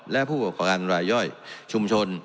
และผู้ประกอบการรายย่อยชุมชน